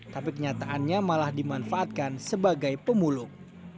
tapi kenyataannya malah dimanfaatkan sebagai pemulung